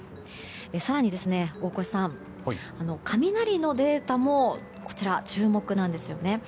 更にですね、大越さん雷のデータも注目なんですよね。